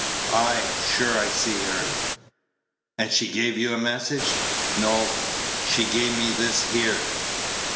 "Ay, sure, I see her." "And she gave you a message?" "No, she gave me this here."